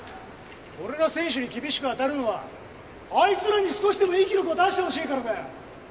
俺が選手に厳しく当たるのはあいつらに少しでもいい記録を出してほしいからだよ！